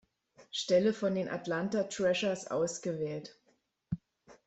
Stelle von den Atlanta Thrashers ausgewählt.